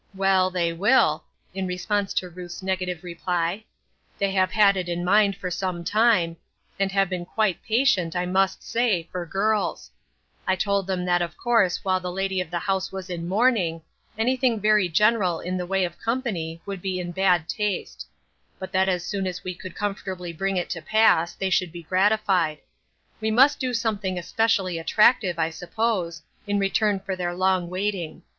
" "Well, they will," in response to Ruth's negative reply ;" they have had it in mind for some time, and have been quite patient, I must say, for girls ; I told them that of course while the lady of the house was in mourning, anything very general in the way of company would be in bad taste ; but that as soon as we could comfortably bring it to pass, they should be gratified. We must do some thing especially attractive, I suppose, in return for their long waiting.